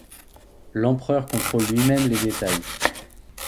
L’Empereur contrôle lui-même les détails.